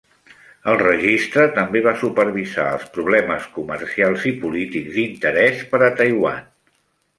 El registre també va supervisar els problemes comercials i polítics d'interès per a Taiwan.